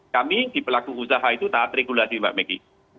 kami di pelaku usaha itu taat regulasi mbak megi